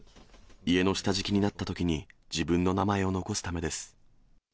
家の下敷きになったときに、自分の名前を残すためです。